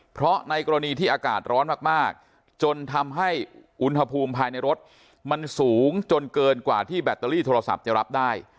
เพราะในกรณีที่อากาศร้อนมากจนทำให้อุณหภูมิภายในรถมันสูงจนเกินกว่าที่แบตเตอรี่โทรศัพท์จะรับได้